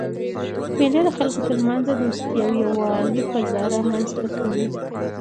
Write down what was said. مېلې د خلکو ترمنځ د دوستۍ او یووالي فضا رامنځ ته کوي.